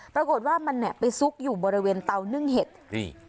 ปรากฏว่ามันเนี่ยไปซุกอยู่บริเวณเตานึ่งเห็ดนี่